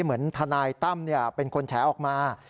ทนายตั้มเป็นคนแฉออกมา